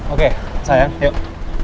oke sayang yuk